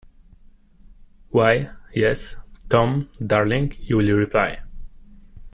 'Why, yes, Tom, darling,' you will reply.